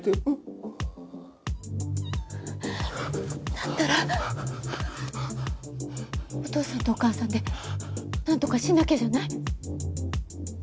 だったらお父さんとお母さんでなんとかしなきゃじゃない？